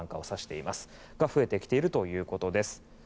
それらが増えてきているということです。